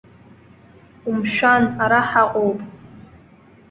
Умшәан, ара ҳаҟоуп!